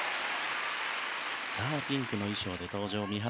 ピンクの衣装で登場三原